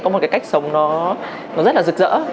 có một cái cách sống nó rất là rực rỡ